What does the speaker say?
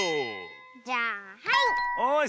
じゃあはい！